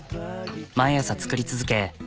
毎朝作り続け